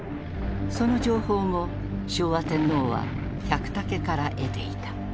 その情報も昭和天皇は百武から得ていた。